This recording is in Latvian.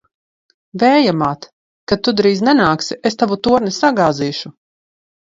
Vēja māt! Kad tu drīzi nenāksi, es tavu torni sagāzīšu!